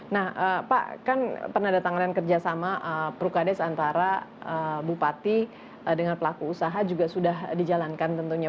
nah pak kan pernah datang kalian kerjasama perukade seantara bupati dengan pelaku usaha juga sudah dijalankan tentunya